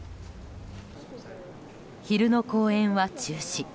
昼の公演は中止。